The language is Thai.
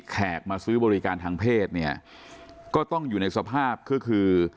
มาซื้อบริการทางเพศเนี่ยก็ต้องอยู่ในสภาพก็คือ